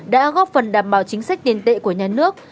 đã góp phần đảm bảo chính sách tiền tệ của nhà nước